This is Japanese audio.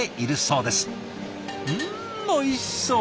うんおいしそう！